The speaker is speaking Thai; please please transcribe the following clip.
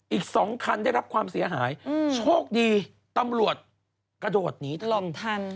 อีกสองคันได้รับความเสียหายโชคดีตำรวจกระโดดหนีถล่มทัน